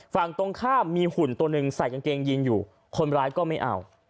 ฝั่งตรงข้ามมีหุ่นตัวหนึ่งใส่กางเกงยีนอยู่คนร้ายก็ไม่เอา